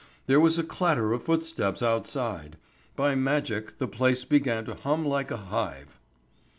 There was a clatter of footsteps outside. By magic the place began to hum like a hive.